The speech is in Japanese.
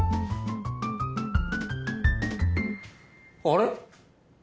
あれ？